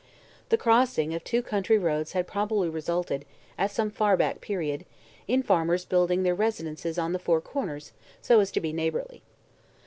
The "crossing" of two country roads had probably resulted, at some far back period, in farmers' building their residences on the four corners, so as to be neighborly.